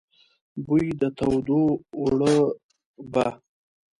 بوی د تودو اوړو به،